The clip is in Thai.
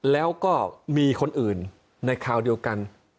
แล้วก็มีคนอื่นในคราวเดียวกัน